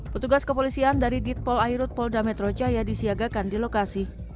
petugas kepolisian dari ditpol airut polda metro jaya disiagakan di lokasi